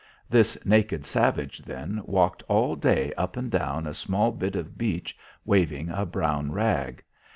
This naked savage, then, walked all day up and down a small bit of beach waving a brown rag.